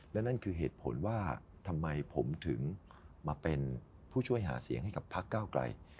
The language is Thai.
และนั่นคือเหตุผลว่าทำไมผมถึงมาเป็นผู้ช่วยหาเสียงให้กับพักเก้าไกล